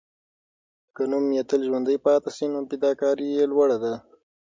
که نوم یې تل ژوندی پاتې سي، نو فداکاري یې لوړه ده.